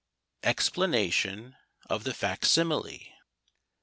EXPLANATION OF THE FAC SIMILE.